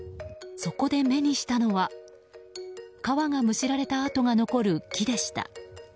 そこで目にしたのは皮がむしられた跡が残る木でした。